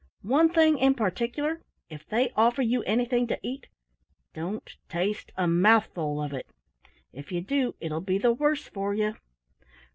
One thing in particular if they offer you anything to eat, don't taste a mouthful of it. If you do it'll be the worse for you!"